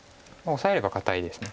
オサえれば堅いです。